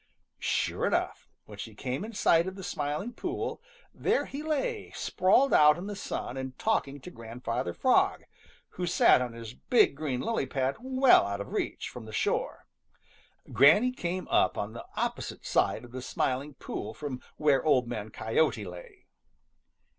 Sure enough, when she came in sight of the Smiling Pool, there he lay sprawled out in the sun and talking to Grandfather Frog, who sat on his big green lily pad well out of reach from the shore. Granny came up on the opposite side of the Smiling Pool from where Old Man Coyote lay.